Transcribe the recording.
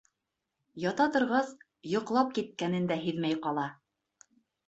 Ята торғас, йоҡлап киткәнен дә һиҙмәй ҡала.